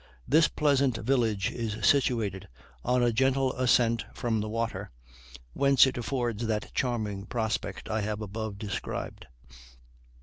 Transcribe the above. This pleasant village is situated on a gentle ascent from the water, whence it affords that charming prospect I have above described.